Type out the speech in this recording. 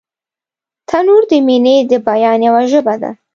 تنور د مینې د بیان یوه ژبه ده